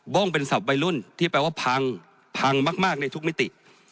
้งเป็นศัพท์วัยรุ่นที่แปลว่าพังพังมากในทุกมิติ